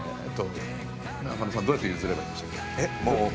中野さんどうやって譲ればいいんでしたっけ？